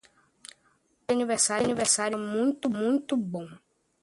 O bolo de aniversário estava muito bom.